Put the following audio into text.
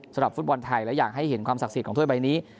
สำหรับฟุตบอลไทยและอยากให้เห็นความศักดิ์สิทธิ์ของถ้วยใบนี้